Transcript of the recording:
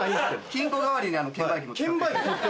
金庫代わりに券売機も使って。